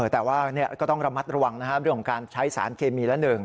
แต่ว่าก็ต้องระมัดระวังเรื่องของการใช้สารเคมีละ๑